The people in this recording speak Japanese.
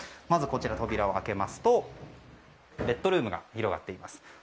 まずは、扉を開けますとベッドルームが広がっています。